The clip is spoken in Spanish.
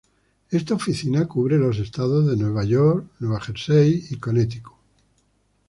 Esta oficina cubre los estados de Nueva York, Nueva Jersey y Connecticut.